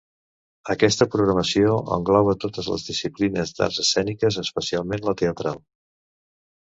Aquesta programació engloba totes les disciplines d'arts escèniques, especialment la teatral.